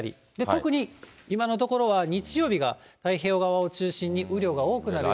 特に今のところは日曜日が太平洋側を中心に雨量が多くなる予想。